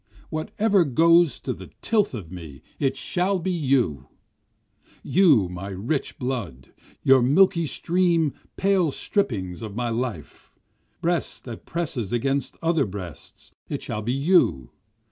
Whatever goes to the tilth of me it shall be you! You my rich blood! your milky stream pale strippings of my life! Breast that presses against other breasts it shall be you!